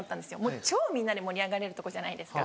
もう超みんなで盛り上がれるとこじゃないですか。